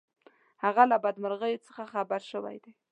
هغه له بدمرغیو څخه خبر شوی دی.